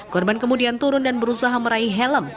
korban kemudian turun dan berusaha meraih helm